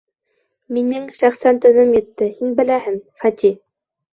Минең шәхсән төнөм етте. һин беләһен, Хати...